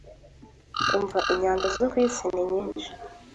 Umva inyanja zo kwisi ninyinshi